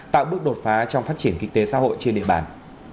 tạo bước đột phá trong phát triển kinh tế xã hội trên địa bàn